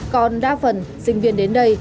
còn đa phần sinh viên đến đây